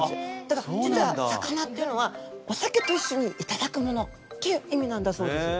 ただ実は酒菜っていうのはお酒と一緒にいただくものっていう意味なんだそうです。